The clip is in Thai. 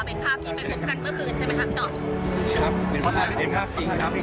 ครับเป็นภาพที่เป็นภาพจริงครับ